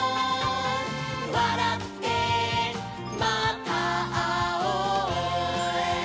「わらってまたあおう」